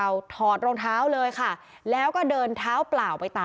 แม่น้องชมพู่แม่น้องชมพู่